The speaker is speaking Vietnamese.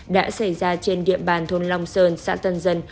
đã xảy ra trên địa bàn thôn long sơn xã tân dân